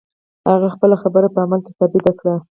هغه خپله خبره په عمل کې ثابته کړه.